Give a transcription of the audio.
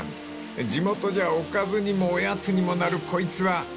［地元じゃおかずにもおやつにもなるこいつはそう。